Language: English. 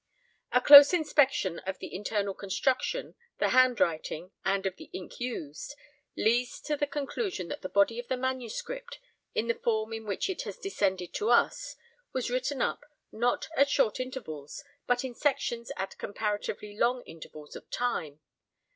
A close inspection of the internal construction, the handwriting, and of the ink used, leads to the conclusion that the body of the manuscript, in the form in which it has descended to us, was written up, not at short intervals, but in sections at comparatively long intervals of time.